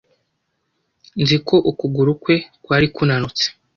nzi ko ukuguru kwe kwari kunanutse